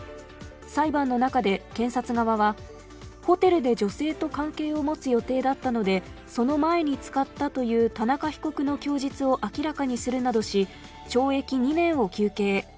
裁判の中で検察側はホテルで女性を関係を持つ予定だったのでその前に使ったという田中被告の供述を明らかにするなどし懲役２年を求刑。